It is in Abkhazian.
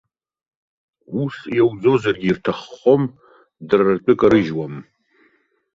Ус иауӡозаргьы, ирҭаххом, дара ртәы карыжьуам.